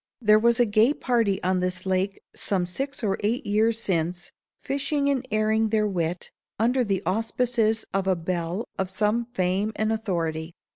There was a gay party on this lake some six or eight years since, fishing and airing their wit, under the auspices of a belle of some fame and authority.